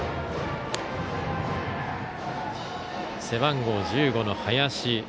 背番号１５の林。